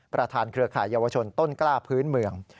เครือข่ายเยาวชนต้นกล้าพื้นเมือง